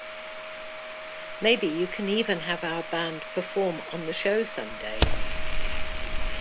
Maybe you can even have our band perform on the show someday.